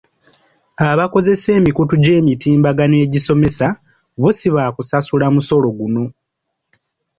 Abakozesa emikutu gy’emitimbagano egisomesa, bbo si baakusasula musolo guno.